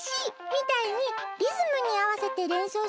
みたいにリズムにあわせてれんそうする